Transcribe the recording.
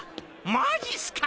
マジっすか！